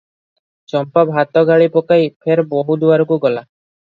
ଚମ୍ପା ଭାତ ଗାଳି ପକାଇ ଫେର ବୋହୂ ଦୁଆରକୁ ଗଲା ।